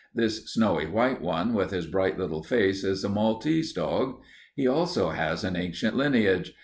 This snowy white one, with his bright little face, is a Maltese dog. He also has an ancient lineage.